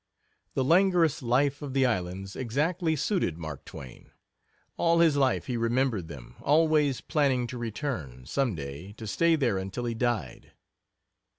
The languorous life of the islands exactly suited Mask Twain. All his life he remembered them always planning to return, some day, to stay there until he died.